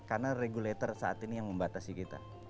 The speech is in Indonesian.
karena regulator saat ini yang membatasi kita